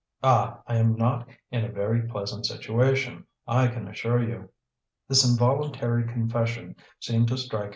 Ah! I am not in a very pleasant situation, I can assure you!" This involuntary confession seemed to strike M.